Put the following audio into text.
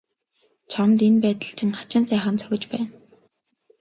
Чамд энэ байдал чинь хачин сайхан зохиж байна.